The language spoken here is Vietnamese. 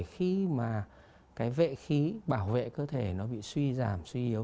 khi mà cái vệ khí bảo vệ cơ thể nó bị suy giảm suy yếu